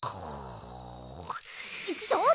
ちょっと！